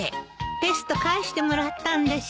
テスト返してもらったんでしょ？